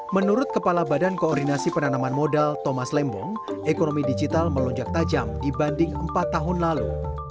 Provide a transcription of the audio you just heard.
menurut kepala badan koordinasi penanaman modal thomas lembong ekonomi digital melonjak tajam dibanding empat tahun lalu